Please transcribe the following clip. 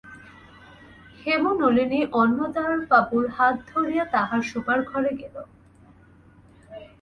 হেমনলিনী অন্নদাবাবুর হাত ধরিয়া তাহার শোবার ঘরে গেল।